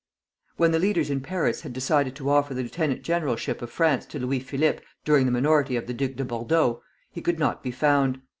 When the leaders in Paris had decided to offer the lieutenant generalship of France to Louis Philippe during the minority of the Duc de Bordeaux, he could not be found.